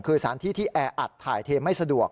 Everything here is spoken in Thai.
คือสถานที่ที่แออัดถ่ายเทไม่สะดวก